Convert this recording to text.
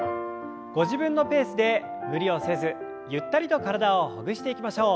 ご自分のペースで無理をせずゆったりと体をほぐしていきましょう。